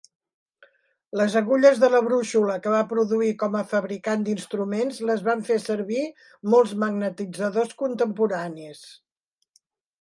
Les agulles de la brúixola que va produir com a fabricant d'instruments les van fer servir molts magnetitzadors contemporanis.